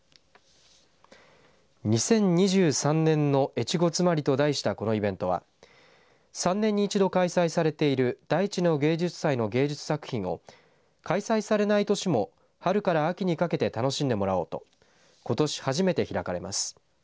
２０２３年の越後妻有と題したこのイベントは３年に１度開催されている大地の芸術祭の芸術作品を開催されない年も春から秋にかけて楽しんでもらおうとことし初めて開かれます。